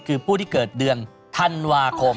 คือผู้ที่เกิดเดือนธันวาคม